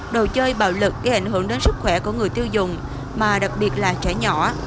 đồ chơi bạo lực gây ảnh hưởng đến sức khỏe của người tiêu dùng mà đặc biệt là trẻ nhỏ